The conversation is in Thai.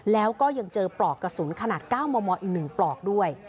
แล้วก็ยังเจอปลอกกระสุนขนาด๙มมอีก๑ปลอกด้วย